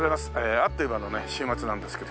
あっという間の週末なんですけど。